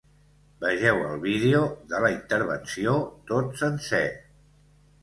Vegeu el vídeo de la intervenció, tot sencer.